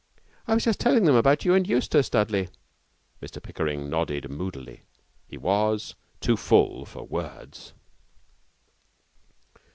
'I was just telling them about you and Eustace, Dudley.' Mr Pickering nodded moodily. He was too full for words.